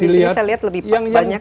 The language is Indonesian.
karena disini saya lihat lebih banyak yang